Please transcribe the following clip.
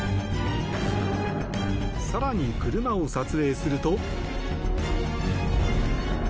更に、車を撮影すると。